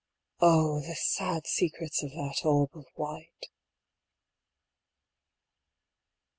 (Oh! the sad secrets of that orb of white.)